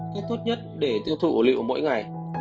cách tốt nhất để tiêu thụ liệu mỗi ngày